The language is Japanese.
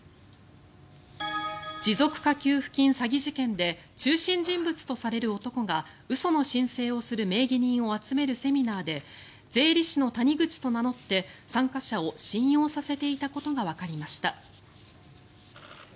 持続化給付金詐欺事件で中心人物とされる男が嘘の申請をする名義人を集めるセミナーで税理士の谷口と名乗って参加者を信用させていたことがわかりました。